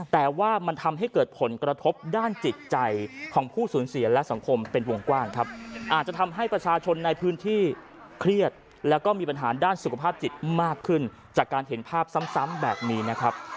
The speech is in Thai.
แต่ว่ามันทำให้เกิดผลกระทบด้านจิตใจของผู้สูญเสียและสังคมเป็นวงกว้างครับอาจจะทำให้ประชาชนในพื้นที่เครียดแล้วก็มีปัญหาด้านสุขภาพจิตมากขึ้นจากการเห็นภาพซ้ำแบบนี้นะครับ